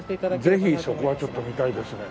ぜひそこはちょっと見たいですね。